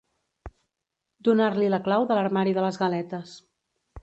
Donar-li la clau de l'armari de les galetes.